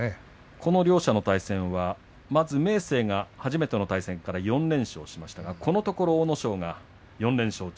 この両者の対戦は明生が初めての対戦から４連勝しましたがこのところ阿武咲が４連勝中。